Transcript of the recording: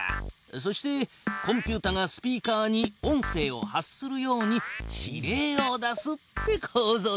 そしてコンピュータがスピーカーに音声を発するように指令を出すってこうぞうさ。